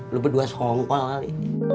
lo berdua songkol kali